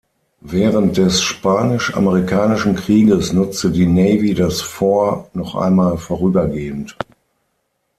Während des spanisch-amerikanischen Krieges nutzte die Navy das Fort noch einmal vorübergehend.